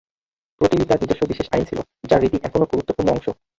প্রতিটি তার নিজস্ব বিশেষ আইন ছিল, যার রীতি এখনও একটি গুরুত্বপূর্ণ অংশ।